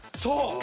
そう！